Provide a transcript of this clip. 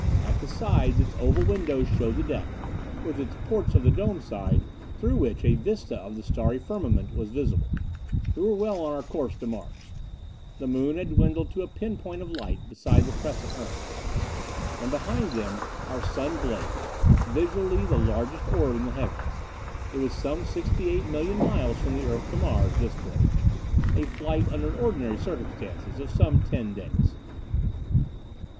At the sides its oval windows showed the deck, with its ports of the dome side, through which a vista of the starry firmament was visible. We were well on our course to Mars. The moon had dwindled to a pin point of light beside the crescent earth. And behind them our sun blazed, visually the largest orb in the heavens. It was some sixty eight million miles from the earth to Mars, this voyage. A flight, under ordinary circumstances, of some ten days.